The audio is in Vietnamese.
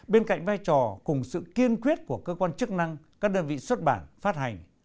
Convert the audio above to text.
bên cạnh vai trò cùng sự kiên quyết của cơ quan chức năng các đơn vị xuất bản phát hành